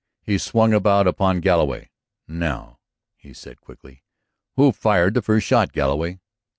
He swung about upon Galloway. "Now," he said quickly, "who fired the first shot. Galloway?"